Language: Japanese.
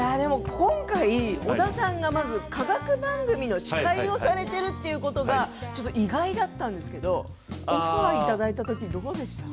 今回、織田さんが科学番組の司会をされているということが意外だったんですけどオファーをいただいたときはどうでしたか。